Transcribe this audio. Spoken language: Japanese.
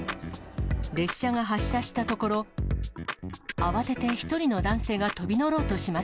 列車が発車したところ、慌てて１人の男性が飛び乗ろうとします。